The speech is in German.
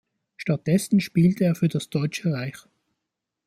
Stattdessen spielte er für das Deutsche Reich.